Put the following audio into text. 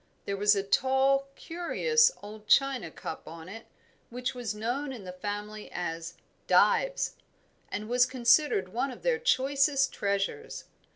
There was a tall, curious old china cup on it which was known in the family as "Dives," and was considered one of their choicest treasures.